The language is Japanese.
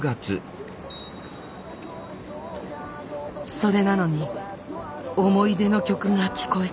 それなのに思い出の曲が聞こえてくると。